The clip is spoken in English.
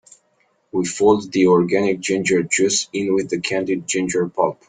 We fold the organic ginger juice in with the candied ginger pulp.